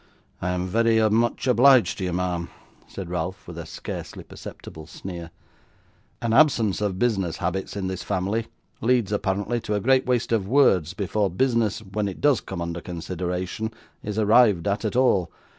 'I am very much obliged to you, ma'am,' said Ralph with a scarcely perceptible sneer. 'An absence of business habits in this family leads, apparently, to a great waste of words before business when it does come under consideration is arrived at, at all.